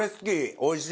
おいしい！